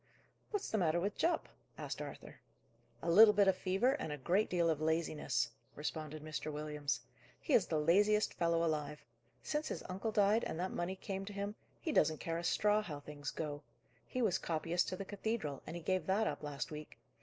"What's the matter with Jupp?" asked Arthur. "A little bit of fever, and a great deal of laziness," responded Mr. Williams. "He is the laziest fellow alive. Since his uncle died, and that money came to him, he doesn't care a straw how things go. He was copyist to the cathedral, and he gave that up last week.